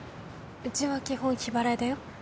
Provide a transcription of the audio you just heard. うちは基本日払いだよ。